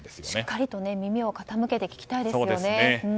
しっかりと耳を傾けて聞きたいですよね。